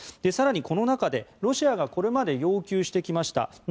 更にこの中でロシアがこれまで要求してきました